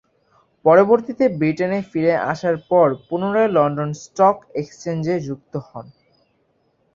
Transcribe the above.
পরবর্তীতে ব্রিটেনে ফিরে আসার পর পুনরায় লন্ডন স্টক এক্সচেঞ্জে যুক্ত হন।